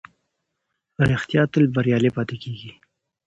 رښتيا تل بريالی پاتې کېږي.